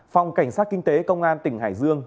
phòng cảnh sát kinh tế công an tỉnh hải dương